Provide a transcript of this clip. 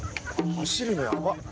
走るのやば。